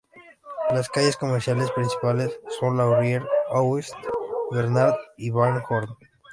Las calles comerciales principales son: Laurier Ouest, Bernard y Van Horne.